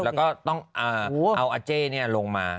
ลาก็ต้องเอาอเจเนี่ยลงมา